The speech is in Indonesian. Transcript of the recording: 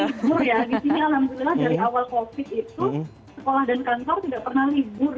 libur ya di sini alhamdulillah dari awal covid itu sekolah dan kantor tidak pernah libur